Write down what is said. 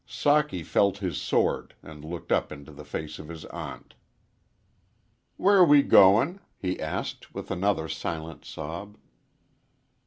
Socky felt his sword and looked up into the face of his aunt. "Where we goin'?" he asked, with another silent sob.